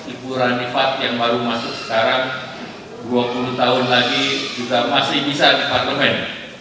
ibu rani fat yang baru masuk sekarang dua puluh tahun lagi juga masih bisa di parlemen